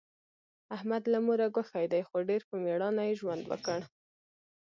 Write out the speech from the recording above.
احمد له موره ګوښی دی، خو ډېر په مېړانه یې ژوند وکړ.